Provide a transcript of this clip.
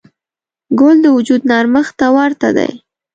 ګل د وجود نرمښت ته ورته دی.